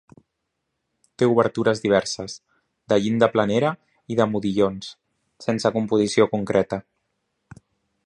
Té obertures diverses, de llinda planera i de modillons, sense composició concreta.